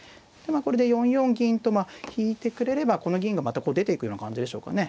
これで４四銀と引いてくれればこの銀がまたこう出ていくような感じでしょうかね。